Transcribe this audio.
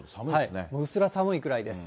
うすら寒いくらいです。